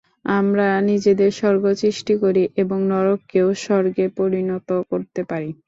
আমরাই নিজেদের স্বর্গ সৃষ্টি করি, এবং নরককেও স্বর্গে পরিণত করিতে পারি।